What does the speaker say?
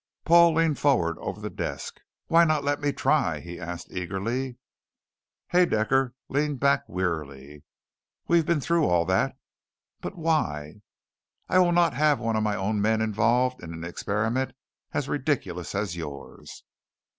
Paul leaned forward over the desk. "Why not let me try?" he asked eagerly. Haedaecker leaned back wearily. "We've been all through that." "But why?" "I will not have one of my own men involved in an experiment as ridiculous as yours!"